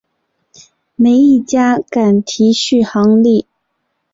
没一家敢提续航力